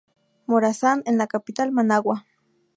Morazán en la capital, Managua.